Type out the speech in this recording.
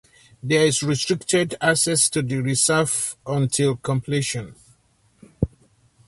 There is restricted access to the reserve until completion.